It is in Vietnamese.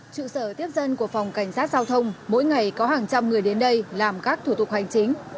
trụ sở tiếp dân của phòng cảnh sát giao thông mỗi ngày có hàng trăm người đến đây làm các thủ tục hành chính